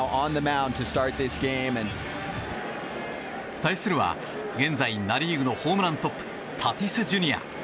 対するは現在ナ・リーグのホームラントップタティスＪｒ．。